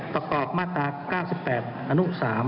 ประกอบมาตรา๙๘อนุ๓